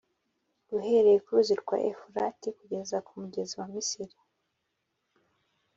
uhereye ku ruzi rwa Efurati kugeza ku mugezi wa Misiri.